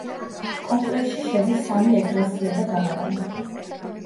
კომპლექსში შედის სამი ეკლესია და გალავანი.